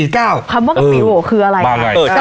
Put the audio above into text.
คำว่ากะปิโวคืออะไรครับ